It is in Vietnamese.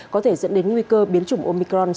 có thể dẫn đến nguy cơ biến chủng omicron